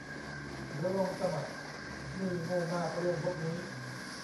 เดี๋ยวลองสมัคร นี่โง่มากเรื่องพวกนี้